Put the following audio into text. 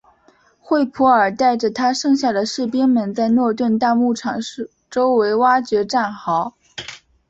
惠普尔带着他剩下的士兵们在诺顿大牧场周围挖掘战壕。